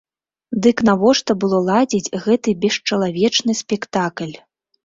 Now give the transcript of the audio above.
Дык навошта было ладзіць гэты бесчалавечны спектакль?